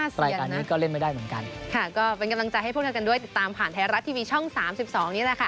๕เสียงนะค่ะก็เป็นกำลังใจให้พวกเรากันด้วยติดตามผ่านไทยรัฐทีวีช่อง๓๒นี้แหละค่ะ